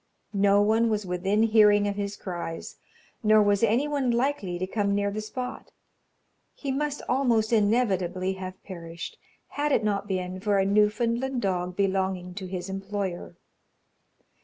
No one was within hearing of his cries, nor was any one likely to come near the spot. He must almost inevitably have perished, had it not been for a Newfoundland dog belonging to his employer.